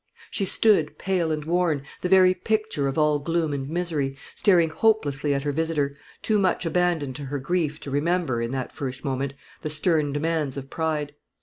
She stood, pale and worn, the very picture of all gloom and misery, staring hopelessly at her visitor; too much abandoned to her grief to remember, in that first moment, the stern demands of pride.